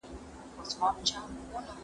زه کولای سم کتاب وليکم؟؟